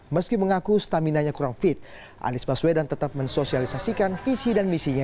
meski mengaku stamina nya kurang fit anies baswedan tetap mensosialisasikan visi dan misinya